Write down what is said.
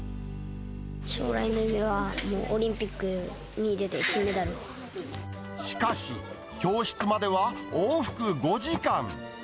将来の夢は、もうオリンピッしかし、教室までは往復５時間。